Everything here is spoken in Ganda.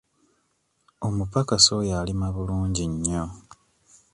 Omupakasi oyo alima bulungi nnyo.